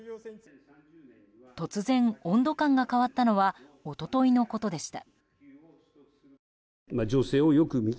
突然、温度感が変わったのは一昨日のことでした。